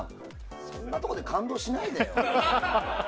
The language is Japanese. そんなとこで感動しないでよ。